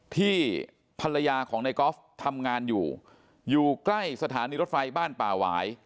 ที่ภรรยาของในกอล์ฟทำงานอยู่อยู่ใกล้สถานีรถไฟบ้านป่าหวาย